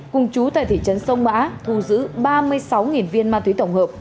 cùng chú tại thị trấn sông mã thu giữ ba mươi sáu viên ma túy tổng hợp